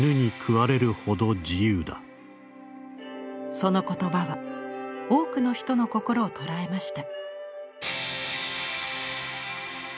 その言葉は多くの人の心を捉えました。